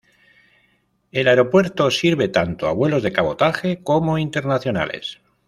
El aeropuerto sirve tanto a vuelos de cabotaje como internacionales.